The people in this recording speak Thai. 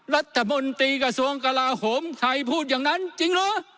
รัฐมนตรีกระทรวงกระลาฮมใครพูดอย่างนั้น